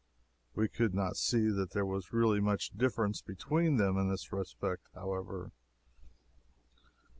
We could not see that there was really much difference between them in this respect, however.